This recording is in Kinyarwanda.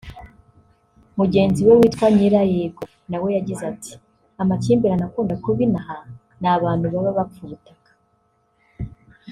Mugenzi we witwa Nyirayego nawe yagize ati “Amakimbirane akunda kuba inaha ni abantu baba bapfa ubutaka